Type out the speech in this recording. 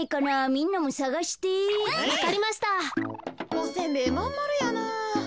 おせんべいまんまるやな。